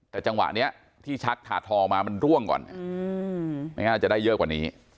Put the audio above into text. แต่จังหวะนี้ที่ชักถาดทองมามันร่วงก่อนไม่งั้นอาจจะได้เยอะกว่านี้